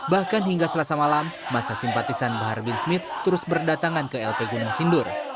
bahkan hingga selasa malam masa simpatisan bahar bin smith terus berdatangan ke lp gunung sindur